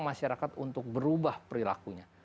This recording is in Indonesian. masyarakat untuk berubah perilakunya